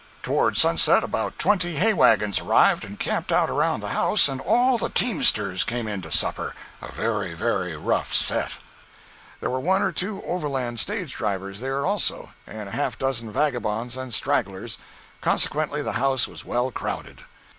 Towards sunset about twenty hay wagons arrived and camped around the house and all the teamsters came in to supper—a very, very rough set. There were one or two Overland stage drivers there, also, and half a dozen vagabonds and stragglers; consequently the house was well crowded.